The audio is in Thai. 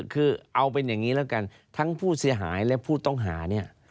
คือเอาเป็นอย่างนี้แล้วกันทั้งผู้เสียหายและผู้ต้องหาเนี่ย